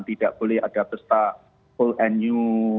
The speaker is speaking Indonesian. tidak boleh ada pesta full and new